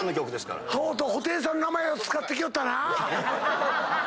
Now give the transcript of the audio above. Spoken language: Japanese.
とうとう布袋さんの名前を使ってきよったなぁ。